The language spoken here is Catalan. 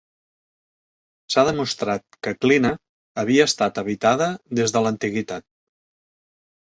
S'ha demostrat que Klina havia estat habitada des de l'antiguitat.